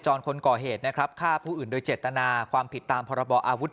คนก่อเหตุนะครับฆ่าผู้อื่นโดยเจตนาความผิดตามพรบอาวุธ